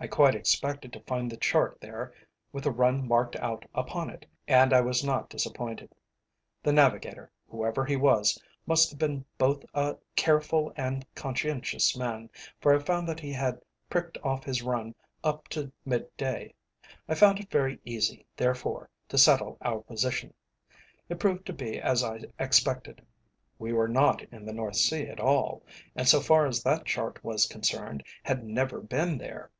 I quite expected to find the chart there with the run marked out upon it, and I was not disappointed. The navigator, whoever he was, must have been both a careful and conscientious man, for I found that he had pricked off his run up to mid day. I found it very easy, therefore, to settle our position. It proved to be as I expected. We were not in the North Sea at all, and, so far as that chart was concerned, had never been there.